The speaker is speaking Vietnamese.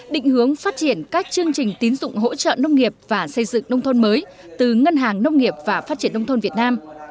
định hướng phát triển các chương trình tín dụng hỗ trợ nông nghiệp và xây dựng nông thôn mới từ ngân hàng nông nghiệp và phát triển nông thôn việt nam